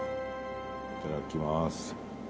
いただきます。